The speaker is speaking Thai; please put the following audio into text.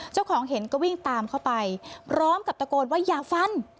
เจ้าของเห็นก็วิ่งตามเข้าไปพร้อมกับตะโกนว่าอย่าฟัน